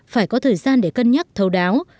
phải có thời gian để cân nhắc thâu đáo